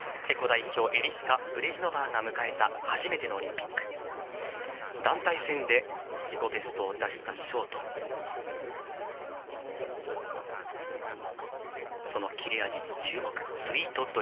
チェコ代表エリシュカ・ブレジノバーが迎えた初めてのオリンピック団体戦で自己ベストを出したショート。